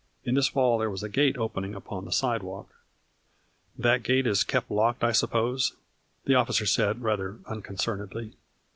In this wall there was a gate opening upon the sidewalk. " That gate is kept locked I suppose ? the officer said, rather unconcernedly.